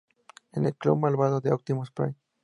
Es el clon malvado de Optimus Prime.